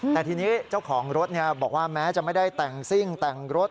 แต่ทีนี้เจ้าของรถบอกว่าแม้จะไม่ได้แต่งซิ่งแต่งรถ